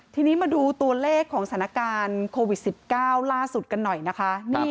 ทีนี้มาดูตัวเลขของสถานการณ์โควิด๑๙ล่าสุดกันหน่อยนะคะ